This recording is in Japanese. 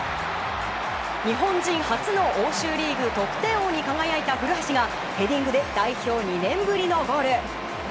日本人初の欧州リーグ得点王に輝いた古橋がヘディングで代表２年ぶりのゴール。